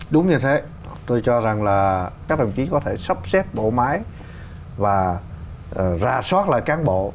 đúng như thế tôi cho rằng là các đồng chí có thể sắp xếp bộ máy và ra soát lại cán bộ